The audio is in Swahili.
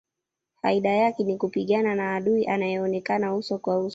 Faida yake ni kupigana na adui anayeonekana uso kwa uso